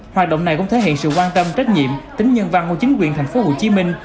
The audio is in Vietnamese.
hoạt động này cũng thể hiện sự quan tâm trách nhiệm tính nhân văn của chính quyền thành phố hồ chí minh